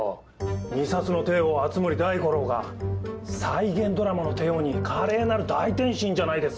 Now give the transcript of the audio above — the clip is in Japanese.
２サスの帝王熱護大五郎が再現ドラマの帝王に華麗なる大転身じゃないですか。